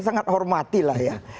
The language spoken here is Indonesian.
sangat hormati lah ya